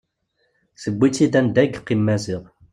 Tewwi-tt-id anda yeqqim Maziɣ.